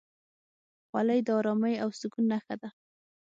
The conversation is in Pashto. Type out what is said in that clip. خولۍ د ارامۍ او سکون نښه ده.